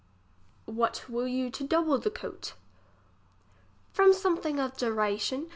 What will you to double the coat ? From some thing of duration.